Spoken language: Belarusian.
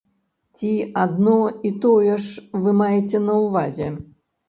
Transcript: Ці адно і тое ж вы маеце на ўвазе?